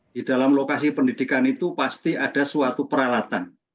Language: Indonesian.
di dalam lokasi pendidikan itu pasti ada suatu peralatan